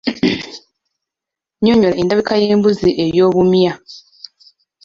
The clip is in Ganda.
Nnyonnyola endabika y’embuzi ey’obumya.